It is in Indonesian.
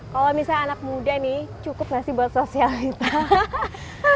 kalau misalnya anak muda nih cukup nggak sih buat sosialitas